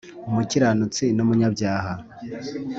Umukiranutsi numunyabyaha